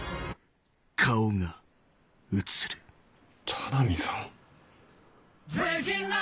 田波さん？